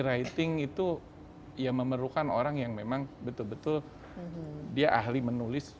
writing itu ya memerlukan orang yang memang betul betul dia ahli menulis